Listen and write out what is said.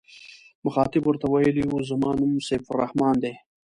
مخاطب ورته ویلي و زما نوم سیف الرحمن دی.